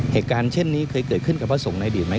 เหตุการณ์เช่นนี้เคยเกิดขึ้นกับพระสงฆ์ในอดีตไหม